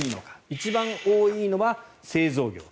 一番多いのは製造業。